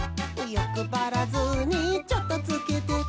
「よくばらずにチョットつけて」